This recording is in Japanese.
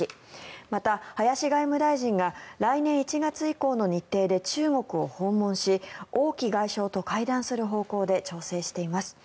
また、林外務大臣が来年１月以降の日程で中国を訪問し王毅外相と会談する方向で調整しています。